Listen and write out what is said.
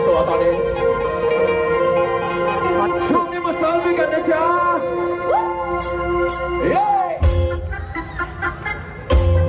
ช่วงนี้มาซ้อมด้วยกันนะจ๊ะ